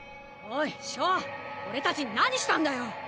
おれたちに何したんだよ！